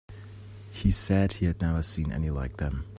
He said he had never seen any like them.